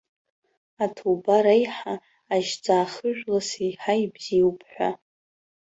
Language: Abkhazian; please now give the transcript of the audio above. Аҭубар аиҳа ажьҵаа хыжәлас еиҳа ибзиоуп ҳәа.